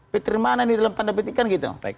petir mana ini dalam tanda petikan gitu